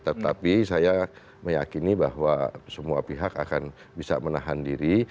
tetapi saya meyakini bahwa semua pihak akan bisa menahan diri